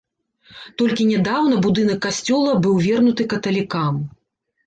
Толькі нядаўна будынак касцёла быў вернуты каталікам.